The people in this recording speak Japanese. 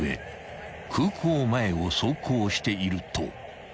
［空港前を走行していると］